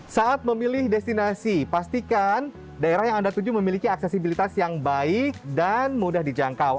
saat memilih destinasi pastikan daerah yang anda tuju memiliki aksesibilitas yang baik dan mudah dijangkau